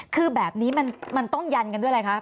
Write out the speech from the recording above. คือแบบนี้มันต้องยันกันด้วยอะไรคะ